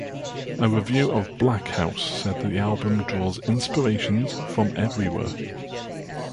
A review of "Blackhouse" said the album draws "inspirations from everywhere.